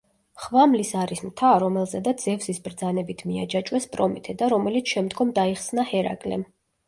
ხვამლის არის მთა, რომელზედაც ზევსის ბრძანებით მიაჯაჭვეს პრომეთე და რომელიც შემდგომ დაიხსნა ჰერაკლემ.